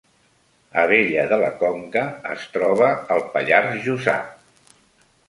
Abella de la Conca es troba al Pallars Jussà